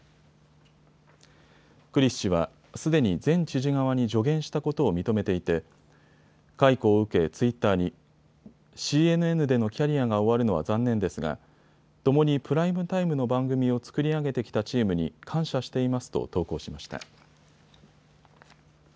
クリス氏は、すでに前知事側に助言したことを認めていて解雇を受け、ツイッターにＣＮＮでのキャリアが終わるのは残念ですがともにプライムタイムの番組を作り上げてきたチームに感謝していますと投稿しました。